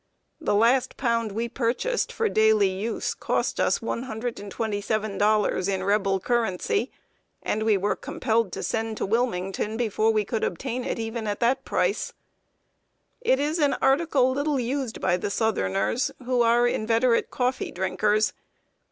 The last pound we purchased, for daily use, cost us one hundred and twenty seven dollars in Rebel currency, and we were compelled to send to Wilmington before we could obtain it even at that price. It is an article little used by the Southerners, who are inveterate coffee drinkers.